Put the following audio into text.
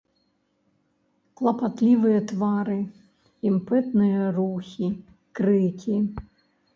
Клапатлівыя твары, імпэтныя рухі, крыкі.